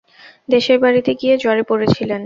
দেশের বাড়িতে গিয়ে জ্বরে পড়েছিলেন।